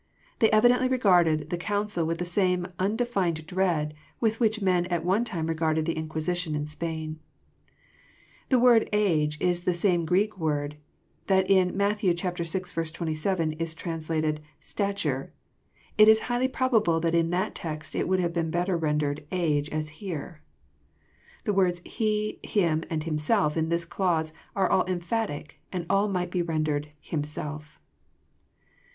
They evidently regarded the council with the same undefined dread with which men at one time regarded the Inquisition in Spain. The word " age " is the same Greek word that in Matt. vi. 27, is translated stature." It is highly probable that in that text it would have been better rendered age," as here. The words " he," " him," and " himself," in this clause, are all emphatic, and all might be rendered himself."